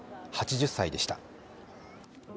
８０歳でした。